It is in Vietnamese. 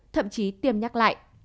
thậm chí tiêm nhắc lại